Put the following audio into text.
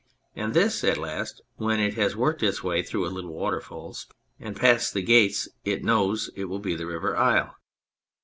And this at last, when it has worked its way through little waterfalls and past the gates it knows, will be the River Isle.